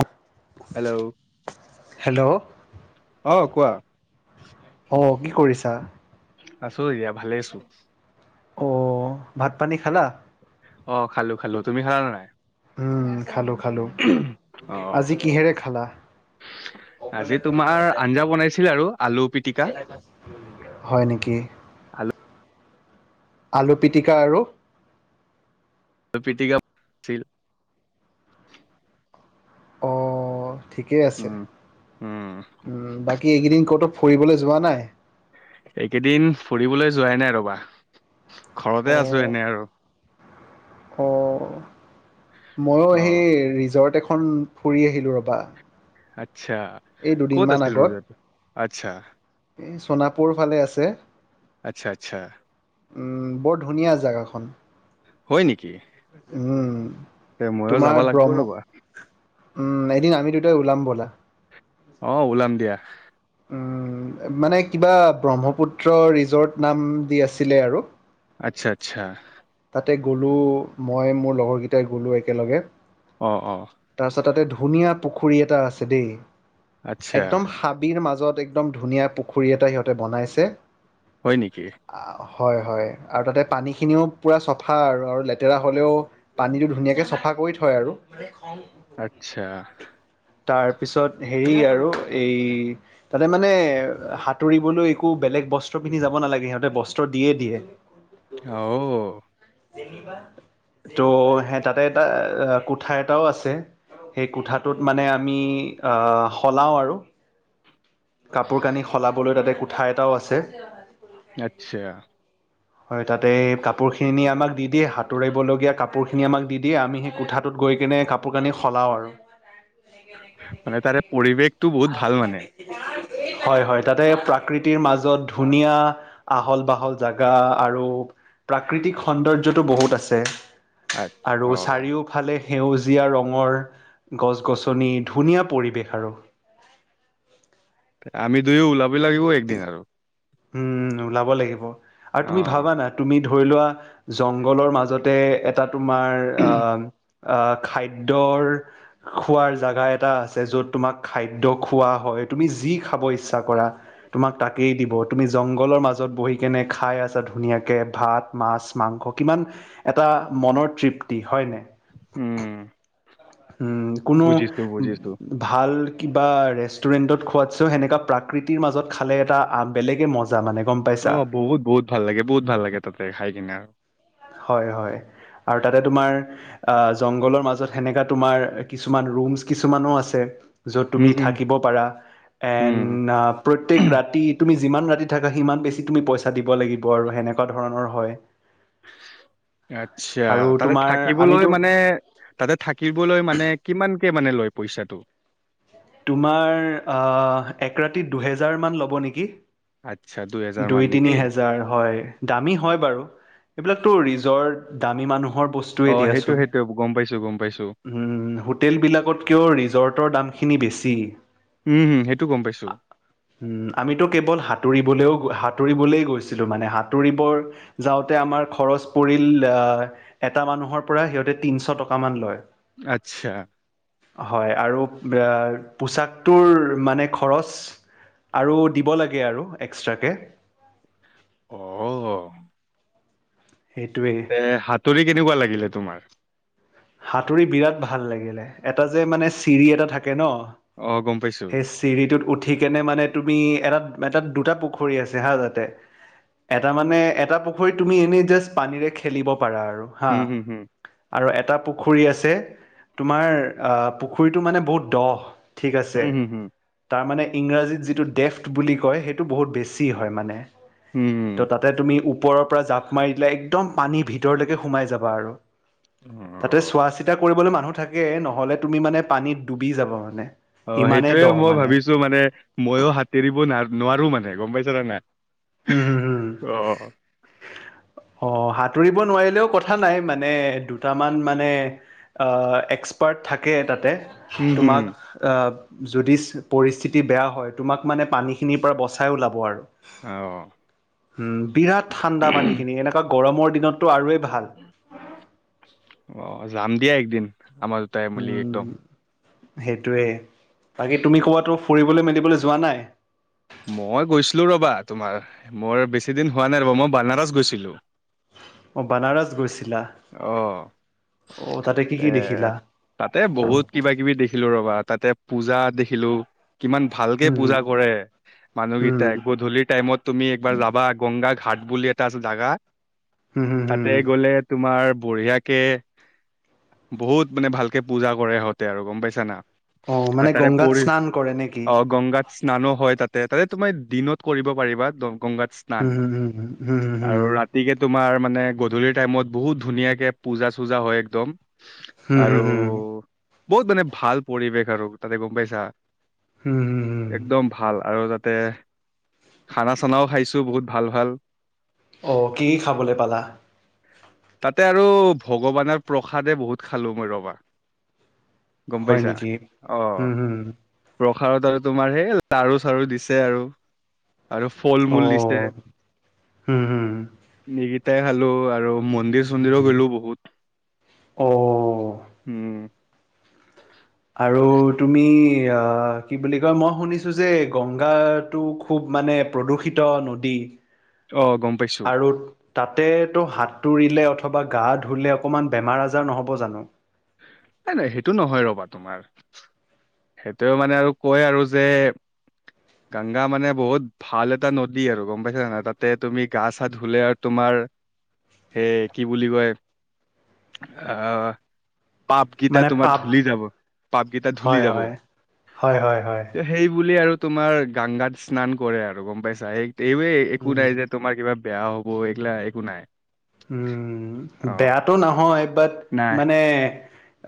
অপ হেল্ল' অহ-কোৱা অ কি কৰিছা আছো এয়া ভালে আছো অ ভাত পানী খালা অ খালো খালো তুমি খালা নে নাই উম খালোঁ খালোঁ অ আজি কিহেৰে খালা। আজি মোলে ফোন তোমাৰ কৰে য়ে আঞ্জা বনাইছিল আৰু আলু পিটিকা সেই দিনাখন হয় নেকি খালো আলু পিটিকা আৰু পিটিকা বিল অ ঠিকেই আছে উম উম উম বাকী এইকেইদিন কতো ফুৰিবলৈ যোৱা নাই এইকেইদিন ফুৰিবলৈ যোৱাই নাই ৰবা অ ঘৰতে আছো এনে আৰু অ মযো অ সেই ৰিজৰ্ট এখন খন ফুৰি আহিলোঁ ৰ'বা আচ্ছা এই ক'ত দুদিনমান আছিল আগত ৰজাটো আচ্ছা এই সোণাপুৰ ফালে আছে। আচ্ছা আচ্ছা বৰ ধুনীয়া জেগাখন হয় নেকি উম এ ময়ো তোমাৰ যাব লাগিব ব্ৰহ্ম ৰ'বা। উম এদিন আমি দুটাই উলাম ব'লা অ উলাম দিয়া মানে কিবা ব্ৰহ্মপুত্ৰ ৰিজৰ্ট নাম দি আছিলে আৰু আচ্ছা আচ্ছা তাতে গ'লোঁ মই মোৰ লগৰকেইটাই গ'লোঁ একেলগে অঁহ অঁহ তাৰপিছত তাতে ধুনীয়া পুখুৰী এটা আছে দেই, আচ্ছা একদম হাবিৰ মাজত একদম ধুনীয়া পুখুৰী এটা সিহঁতে বনাইছে হয় নেকি আহ, হয়, হয়, আৰু তাতে পানীখিনিও- পোৰা চাফা আৰু লেতেৰা হ'লেও পানীটো ধুনীয়াকৈ চাফা কৰি থই আৰু আচ্ছা। তাৰ পিছত হেৰি আৰু এই তাতে মানে সাঁতুৰিবলৈ একো বেলেগ বস্ত্ৰ পিন্ধি যাব নালাগে সিহঁতে বস্ত্ৰ দিয়ে দিয়ে আও ত সে' তাতে এটা কোঠা এটাও আছে। সেই কোঠাটোত মানে আমি আহ সলাও আৰু কাপোৰ কানি সলাবলৈ তাতে কোঠা এটাও আছে। আচ্ছা। হয় তাতে এই কাপোৰ খিনি আমাক দি দিয়ে সাঁতুৰিবলগীয়া কাপোৰ খিনি আমাক দি দিয়ে আমি সেই কোঠাটোত গৈ লৈ কিনে কাপোৰ কানি সলাওঁ আৰু। মানে তাৰে পৰিৱেশটো বহুত ভাল মানে। হয় হয় তাতে প্ৰাকৃতিৰ মাজত ধুনীয়া আহল বাহল জাগা আৰু প্ৰাকৃতিক সৌন্দৰ্যতটো বহুত আছে তাত আৰু অ' চাৰিওফালে সেউজীয়া ৰঙৰ গছ গছনি ধুনীয়া পৰিৱেশ আৰু। আমি দুয়ো ওলাব লাগিব একদিন আৰু। উম ওলাব লাগিব আৰু তুমি অ' ভাবানা তুমি ধৰি লোৱা জংঘলৰ মাজতে এটা তোমাৰ আহ আহ খাদ্য ৰ খোৱাৰ জাগা এটা আছে যত তোমাক খাদ্যয় খোৱা হয়। তুমি যি খাব ইচ্ছা কৰা তোমাক তাকেই দিব। তুমি জংঘলৰ মাজত বহি কেনে খাই আছা ধুনীয়াকে ভাত, মাছ, মাংস কিমান এটা আ, মনৰ তৃপ্তি হয় নাই? উম। উ কোনো বুজিছো বুজিছো ভাল কিবা ৰেষ্টুৰেণ্টত খোৱাতছে সেনেকা প্ৰাকৃতিৰ মাজত খালে এটা বেলেগে মজা মানে গম অ পাইছা বহুত বহুত ভাল লাগে বহুত ভাল লাগে তাতে খাই কিনে। হয় হয়। আৰু তাতে তোমাৰ, আহ জংঘলৰ মাজত সেনেকা তোমাৰ কিছুমান ৰুমচ কিছুমানো আছে। য'ত তুমি উম উম থাকিব পাৰা উম এণ্ড প্ৰত্যেক ৰাতি তুমি যিমান ৰাতি থাকা সিমান বেছি তুমি পইচা দিব লাগিব আৰু সেনেকুৱা ধৰণৰ হয়। আচ্ছা, আৰু তাতে তোমাৰ থাকিবলৈ আমিতো মানে তাতে থাকিবলৈ মানে কিমান কে মানে লয় পইচাটো? তোমাৰ আ এক ৰাতি দুহেজাৰ মান ল'ব নেকি? আচ্ছা। দুহেজাৰ মান দুই তিনি নেকি হেজাৰ হয়, দামী হয় বাৰু এইবিলাকতো ৰিজৰ্ট দামী মানুহৰ বস্তু এ অ' দিয়া সেইটো চুন, সেইটো গম পাইছো গম পাইছো হুম হোটেল বিলাকতকেও ৰিছৰটৰ দাম খিনি বেছি। উম হম সেইটো গম পাইছো উম, আমিতো কেৱল সাঁতুৰিবলেও সা সাঁতুৰিবলৈ গৈছিলো মানে সাতুৰিবৰ যাওতে আমাৰ খৰছ পৰিল আ এটামা মানুহৰ পৰা সিহঁতে তিনিশ টকামান লয়। আচ্ছা। হয় আৰু অ পোচাকটোৰ মানে খৰচ আৰু দিব লাগে আৰু এক্সট্ৰা কে। অ অ অ। সেইটোৱেই এ সাতুৰি কেনেকুৱা লাগিলে তোমাৰ? সাতুৰি বিৰাট ভাল লাগিলে, এটা যে মানে চিৰি এটা থাকে কেন, অ' গম পাইছো সেই চিৰিটোত উঠি কেনে মানে তুমি এটাত এটাত দুটা পুখুৰী আছে হা তাতে, এটা মানে এটা পু হয় তুমি এনেই যাচ পানীৰে খেলিব পাৰা আৰু হা উম হম হম আৰু এটা পু পুখুৰী আছে, তোমাৰ আহ পুখুৰীটো মানে বহুত দ। ঠিক উম, আছে, হুম, তাৰমানে ইংৰাজীত যিটো ডেফট বুলি কয় সেইটো বহুত বেছি হয় মানে। হুম, ত হুম, তাতে তুমি ওপৰৰ পৰা জাঁপ মাৰি দিলে একদম পানীৰ ভিতৰলৈকে সোমাই যাবা আৰু। অঁ। তাতে চোৱা চিতা কৰিবলৈ মানুহ থাকেই নহ'লে তুমি মানে পানীত ডুবি যাব মানে অ ইমানেই সেইটোয়ে দ মই মানে ভাবিছো মানে মইও হাতোৰিব ন নেজানো মানে আৰু, গম পাইছে নে নাই? হম হম হম অ অ অ সাঁতুৰিব নোৱাৰিলেও কথা নাই মানে দুটামান মানে এক্সপাৰ্ট থাকে তাতে উম, হুম, তোমাক যদি পৰিস্থিতি বেয়া হয়, তোমাক মানে পানীখিনিৰ পৰা বচাই ওলাব আৰু। অঁ উম বিৰাট ঠাণ্ডা পানী খিনি এনেকুৱা গৰমৰ দিনতটো আৰু ভাল। অ', যাম দিয়া একদিন আমাৰ দুটাই মেলি একদম সেইটোৱেই বাকী তুমি ক'ৰবাতো ফুৰিবলৈ মেলিবলৈ যোৱা নাই মই গৈছিলোঁ ৰ'বা তোমাৰ মোৰ বেছিদিন হোৱা নাই ৰ'বা মই বানাৰছ গৈছিলোঁ অ বানাৰস গৈছি আহ। তাতে কি এ, কি দেখিলা তাতে বহুত কিবা কিবি দেখিলো ৰবা তাতে পূজা দেখিলো, কিমান ভালকে উম পূজা কৰে। উম মানুহকেইটাই গধূলি টাইমত তুমি একবাৰ যাবা গংগা ঘাট বুলি এটা আছে জাগা, হুম হুম তাতে হুম গলে তোমাৰ বঢ়িয়াকে বহুত মানে ভালকে পূজা কৰে সিহঁতে আৰু গম পাইছা না। অ আৰু মানে তাৰে গংগাত পৰি স্নান কৰে নেকি অ গংগাত স্নানো হয় তাতে তাতে তুমাৰ দিনত কৰিব পাৰিবা ত গংগাত স্নান হুম হুম হুম হুম হুম আৰু হুম ৰাতিকে তোমাৰ মানে গধূলি টাইমত বহুত ধুনীয়াকে পূজা চূজা হয় একদম, হুম আৰু হুম হুম বহুত মানে ভাল পৰিৱেশ আৰু তাতে গম পাইছা হুম হুম হুম একদম ভাল আৰু তাত। তাতে, খানা চানাও খাইছো বহুত ভাল ভাল অ কি কি খাবলৈ পালা? তাতে আৰু ভগৱানৰ প্ৰসাদে বহুত খালো মই ৰবা গম হয় পাইছা নেকি? আহ। হুম হুম প্ৰসাদত আৰু তোমাৰ সেই লাৰু চাৰু দিছে আৰু। আৰু ফল মূল দিছে, অ' হুম হুম খালো আৰু মন্দিৰ চন্দিৰো হুম গলো বহুত অ' উম আৰু তুমি অ কি বুলি কয় মই শুনিছো যে গংগাটো খুব মানে প্ৰদূষিত নদী অ গম পাইছো। আৰু তাতে টো সাঁতুৰিলে অথবা গা ধুলে অকমান বেমাৰ আজাৰ নহ'ব জানো। নাই নাই সেইটো নহয় ৰবা তোমাৰ সেইটোয়ে মানে আৰু কয় আৰু যে গংগা মানে বহুত ভাল এটা নদী আৰু গম পাইছা নাই তাতে তুমি গা চা ধুলে আৰু তোমাৰ বুলি কয় পাপকেইটা মানে তোমাৰ পাপ ধলি যাব পাপকেইটা ধলি হয় যাব হয় হয় হয় হয় ত সেই বুলি আৰু তোমাৰ গংগাত স্নান কৰে আৰু গম পাইছা এই এই একো উম নাই যে তোমাৰ কিবা বেয়া হ'ব এইগিলা একো নাই। উম, অ। বেয়াটো নহয় বাট নাই মানে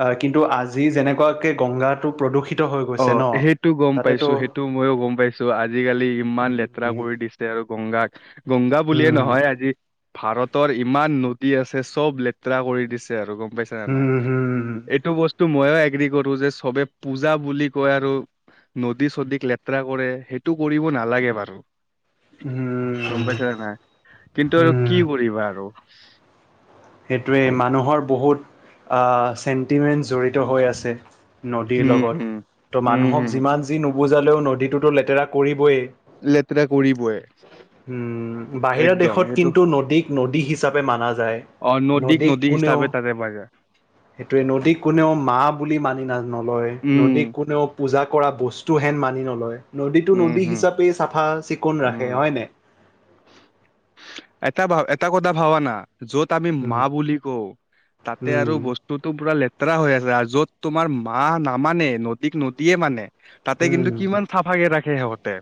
আহ কিন্তু আজি যেনেকুৱাকে গংগাটো প্ৰদূষিত হৈ অ গৈছে ন সেইটো গম তাতেতো পাইছো, সেইটো ময়ো গম পাইছো আজিকালি ইমান লেতেৰা উম, কৰি দিছে আৰু গংগাক গংগা বুলিয়ে উম, নহয় আজি ভাৰত ৰ ইমান নদী আছে চব লেতেৰা কৰি দিছে আৰু গম পাইছা নে নাই উম, হুম, এইটো বস্তু ময়ো এগগ্ৰী কৰো যে সবে পূজা বুলি কয় আৰু নদী চদীক লেতেৰা কৰে, সেইটো কৰিব নালাগে বাৰু। গম উম, পাইছা নে নাই, কিন্তু আৰু কি উম, কৰিবা আৰু। [unintelligible] সেইটোৱে মানুহৰ বহুত আ চেণ্টিমেণ্ট জড়িত হৈ আছে নদীৰ হম লগত, হম ত' হম মানুহক হম যিমান যি নুবুজালেও নদীটোতো লেতেৰা কৰিবই। লেতেৰা কৰিবই। উম বাহিৰা একদম দেশত সেইটো কিন্তু নদীক নদী হিচাপে মানা যায়। অ' নদীক নদী হিচাপে তাতে বাজে। সেইটোৱে নদী কোনেও মা বুলি মানি না নলয় উম নদী কোনেও পূজা কৰা বস্তুহেন মানি নলয়। নদীটো উম নদী হম হিচাপে চাফা চিকুণ ৰাখে উম হয়নে? এটা ভা এটা কথা ভাবা না। য'ত আমি মা উম বুলি কওঁ তাতে আৰু উম বস্তুতটো পুৰা- ৰা হৈ আছে আৰু য'ত তোমাৰ মা নামানে নদীক নদীয়ে মানে তাতে কিন্তু উম কিমান চাফাকে ৰাখে সিহঁতে।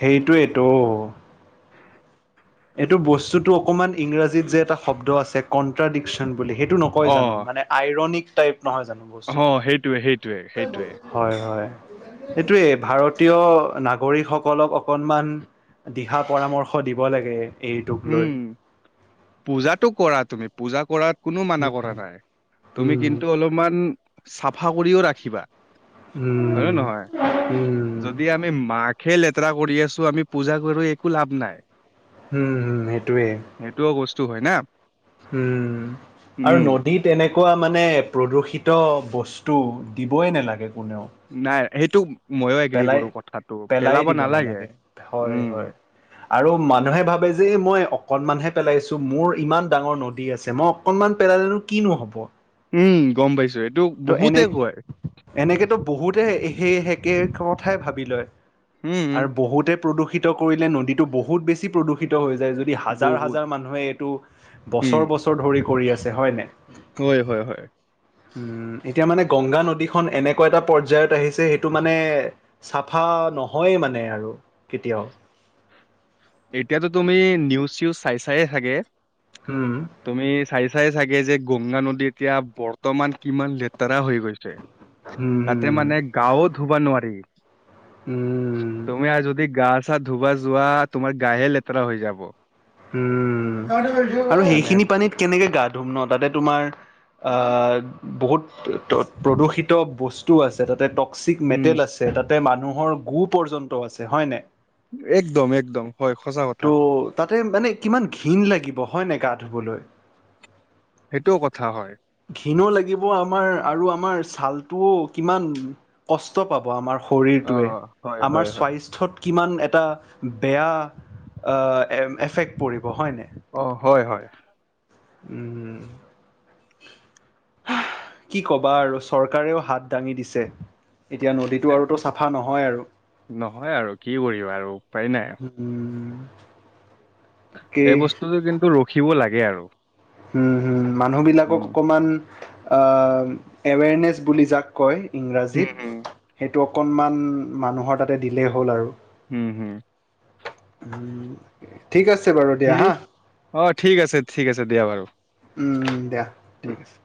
সেইটোৱেইটো। এইটো বস্তুতটো অকমান ইংৰাজীত যে এটা শব্দ আছে কন্ট্ৰডিক্যন। বুলি সেইটো নকয় অ জানো? মানে আইৰনিক টাইপ নহয় জানো অ বস্তুটো? সেইটোৱে সেইটোৱে সেইটোৱে হয় হয় সেইটোৱে ভাৰত ভাৰতীয় নাগৰিকসকলক অকনমান দিহা পৰামৰ্শ দিব লাগে। এইটোক লৈ উম পূজাটো কৰা তুমি পূজা কৰা কোনো মানা উম কৰা নাই, তুমি উম কিন্তু অলপমান চাফা কৰিও ৰাখিবা। হয় নে উম, নহয়। উম, উম, যদি আমি মাকে ল- তেৰা কৰি আছো আমি পূজা কৰি একো লাভ নাই। উম্ সেইটোৱে। টো হয় না। উম আৰু উম নদীত এনেকুৱা মানে প্ৰদূষিত বস্তু- টো দিবই নালাগে কোনেও। নাই সেইটো ময়ো এগ্ৰী পেলাই কৰো কথাত। পেলাই দিব নালাগে হয় হয়। আৰু মানুহে ভাবে যে মই অকনমানহে পেলাইছো, মোৰ ইমান ডাঙৰ নদী আছে মই অকনমান পেলালেনো কিনো হ'ব? এই উম গম পাইছো। এইটো ত বহুতে এনে কয় এনেকেতো বহুতে সেই একে কথাই ভাবি লয়। উম আৰু বহুতে প্ৰদূষিত কৰিলে নদীটো বহুত বেছি প্ৰদূষিত হৈ হৈছে। যাই যদি হাজাৰ বহুত হাজাৰ মানুহে এইটো বছৰ উম বছৰ ধৰি কৰি আছে হয় নাই? হয় হয় হয়। উম্ এতিয়া মানে গংগা নদীখন এনেকুৱা এটা পৰ্যায়ত আহিছে সেইটো মানে চাফা নহয়ে মানে আৰু কেতিয়াও। এতিয়াতো তুমি নিউজ চিউজ চাই চায়ে চাগে উম তুমি চাই চাই চাগে যে গংগা নদী এতিয়া বৰ্তমান কিমান লেতেৰা হৈ [unintelligible] তাতে উম মানে গাঁৱ ধুবা নোৱাৰি। উম তুমি আৰু যদি গা চা ধুবা যোৱা তোমাৰ গায়ে লেতেৰা হৈ যাব। উম আৰু মানে সেইখিনি পানীত কেনেকে গা ধুম ন তাতে তোমাৰ- আহ বহুত প্ৰদূষিত বস্তু আছে তাতে চিক উম মেটেল আছে তাতে মানুহৰ গো পৰ্যন্ত আছে হয় নাই? একদম একদম হয় সঁচা ত' কথা। তাতে মানে কিমান ঘিণ লাগিব হয় নে গা ধুবলৈ। সেইটোও কথা হয় ঘিণো লাগিব আমাৰ আৰু আমাৰ চাল- টো কিমান কষ্ট পাব আমাৰ অ শৰীৰটোৱে হয় আমাৰ হয় হয় স্বাস্থ্যত কিমান এটা বেয়া আ এফেক্ট পৰিব হয় নাই? অ হয়- হয়। উম, উম হা, কি ক'বা আৰু চৰকাৰেও হাত দাঙি দিছে। এতিয়া নদীটো এ আৰুতো চাফা নহয় আৰু। নহয় আৰু কি কৰিবা আৰু উপায় নাই আৱ [unintelligible] এই তাকেই বস্তুটো কিন্তু ৰখিব লাগে আৰু। উম হোম উম, মানুহবিলাকক অকমান। আ‌ এৱেৰনেছ বুলি যাক কয় উম, উম, ইংৰাজীত সেই টো অকণমান মানুহৰ তাতে দিলেই হ'ল আৰু। উম হোম। উম, ঠিক আছে। বাৰু দিয়া হেৰি হা অ ঠিক আছে ঠিক আছে দিয়া বাৰু। উম দিয়া ঠিক আছে।